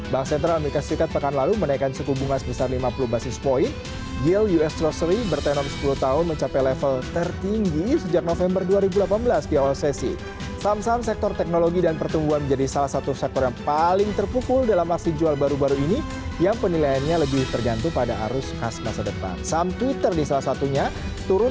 bersambungkan dengan kondisi tersebut